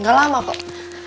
ga lama kok